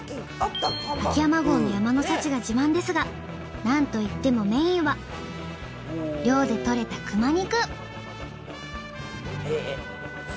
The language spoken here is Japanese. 秋山郷の山の幸が自慢ですがなんといってもメインは猟でとれた熊肉。